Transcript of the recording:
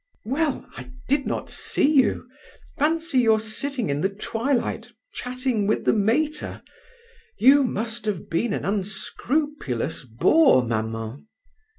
"Well! I did not see you! Fancy your sitting in the twilight chatting with the mater. You must have been an unscrupulous bore, maman."